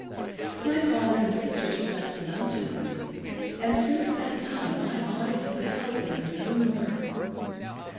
My father and sisters fled to the mountains, and since that time my eyes have beheld them no more.